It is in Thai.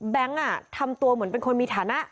ทำตัวเหมือนเป็นคนมีฐานะ